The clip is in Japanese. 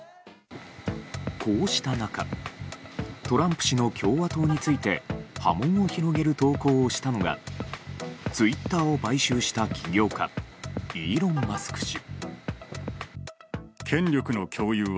こうした中トランプ氏の共和党について波紋を広げる投稿をしたのがツイッターを買収した起業家イーロン・マスク氏。